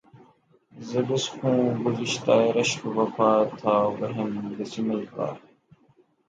ز بس خوں گشتۂ رشک وفا تھا وہم بسمل کا